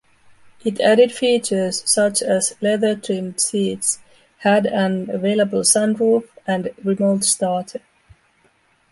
It added features such as leather-trimmed seats, had an available sunroof, and remote starter.